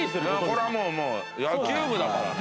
これはもう野球部だからね。